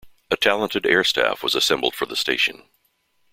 A talented air staff was assembled for the station.